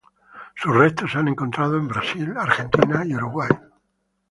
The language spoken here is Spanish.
Sus restos se han encontrado en Brasil, Argentina y Uruguay.